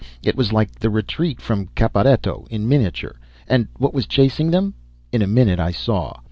It was like the retreat from Caporetto in miniature. And what was chasing them? In a minute I saw.